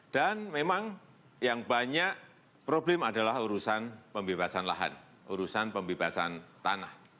dan memang yang banyak problem adalah urusan pembebasan lahan urusan pembebasan tanah